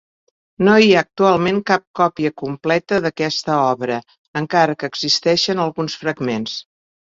No hi ha actualment cap còpia completa d'aquesta obra, encara que existeixen alguns fragments.